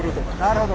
なるほど。